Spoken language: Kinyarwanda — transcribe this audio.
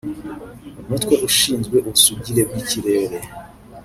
Umutwe ushinzwe ubusugire bw’ikirere